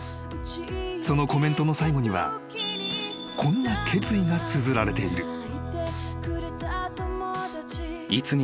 ［そのコメントの最後にはこんな決意がつづられている］